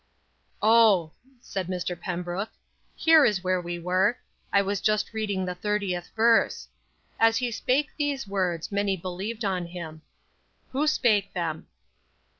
"Oh," said. Mr. Pembrook, "here is where we were. I was just reading the thirtieth verse: 'As he spake these words many believed on him.' Who spake them?"